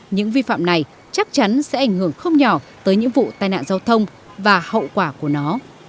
những vi phạm này chắc chắn sẽ ảnh hưởng không nhỏ tới những vụ tai nạn giao thông và hậu quả của nó